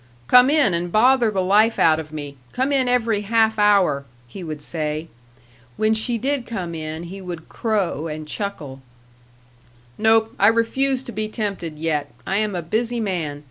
"Come in and bother the life out of me. Come in every half hour," he would say. When she did come in he would crow and chuckle, "Nope. I refuse to be tempted yet; I am a busy man.